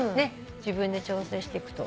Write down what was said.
自分で調整してくと。